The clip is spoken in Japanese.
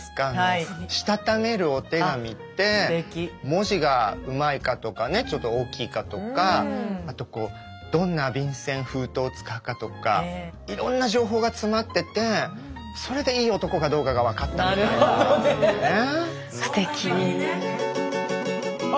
文字がうまいかとかねちょっと大きいかとかあとどんな便箋封筒を使うかとかいろんな情報が詰まっててそれでいい男かどうかが分かったみたいなのがあるのね。